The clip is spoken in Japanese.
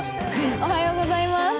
おはようございます。